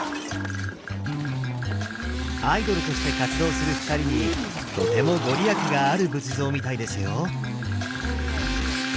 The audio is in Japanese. アイドルとして活動する二人にとても御利益がある仏像みたいですよ。